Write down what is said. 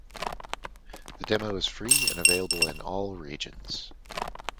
The demo is free and available in all regions.